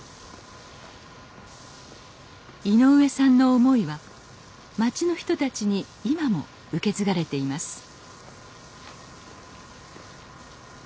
井上さんの思いは町の人たちに今も受け継がれています